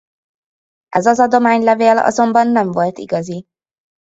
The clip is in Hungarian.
Ez az adománylevél azonban nem volt igazi.